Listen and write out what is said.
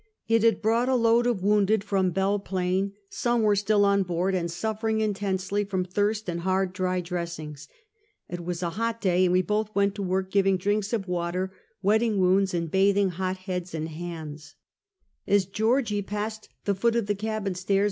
It had brought a load of wounded from Belle Plain ; some were still on board, and suffering intensely from thirst, and hard, dry dressings. It was a hot day, and we both went to work giving drinks of water, wetting wounds, and bathing hot heads and hands. Go TO Feedericksbukg. 301 As Georgie passed the foot of the cabin stairs.